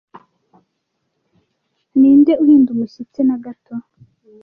ninde uhinda umushyitsi na gato